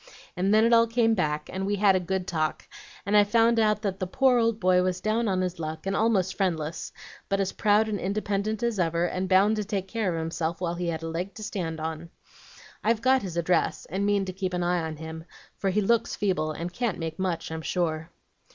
And then it all came back, and we had a good talk, and I found out that the poor old boy was down on his luck, and almost friendless, but as proud and independent as ever, and bound to take care of himself while he had a leg to stand on. I've got his address, and mean to keep an eye on him, for he looks feeble and can't make much, I'm sure.'